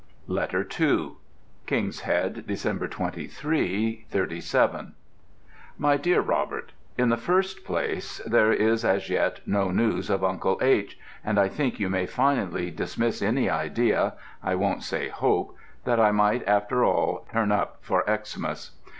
LETTER II KING'S HEAD, Dec. 23, '37. MY DEAR ROBERT, In the first place, there is as yet no news of Uncle H., and I think you may finally dismiss any idea I won't say hope that I might after all "turn up" for Xmas.